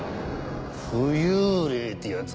浮遊霊ってやつ？